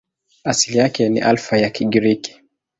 Asili yake ni Alfa ya Kigiriki.